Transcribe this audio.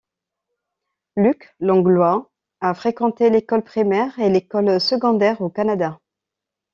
Luc Langlois a fréquenté l'école primaire et l'école secondaire au Canada.